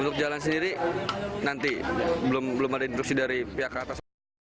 untuk jalan sendiri nanti belum ada instruksi dari pihak ke atas